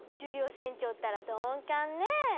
船長ったら鈍感ねえ！